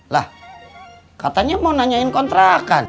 lah katanya mau nanyain kontrakan